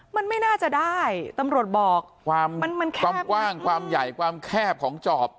มันไม่น่าจะได้ตำรวจบอกความมันแคบความกว้างความใหญ่ความแคบของจอบ